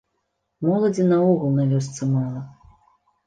Моладзі наогул на вёсцы мала.